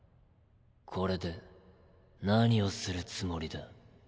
これで何をするつもりだ？